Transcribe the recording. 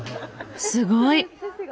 すごい！